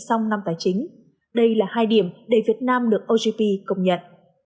xong năm tài chính đây là hai điểm để việt nam được ocp công nhận